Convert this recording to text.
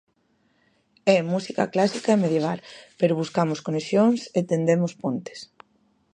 É música clásica e medieval, pero buscamos conexións e tendemos pontes.